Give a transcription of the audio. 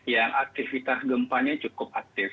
yang aktivitas gempanya cukup